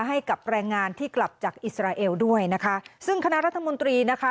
ให้กับแรงงานที่กลับจากอิสราเอลด้วยนะคะซึ่งคณะรัฐมนตรีนะคะ